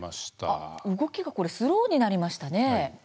あ、動きがスローになりましたね。